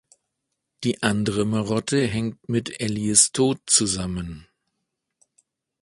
Die andere Marotte hängt mit Allies Tod zusammen.